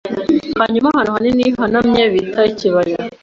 Hanyuma ahantu hanini hahanamye bita ikibaya